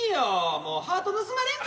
もうハート盗まれんで。